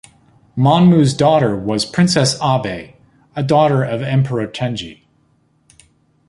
Monmu's mother was Princess Abe, a daughter of Emperor Tenji.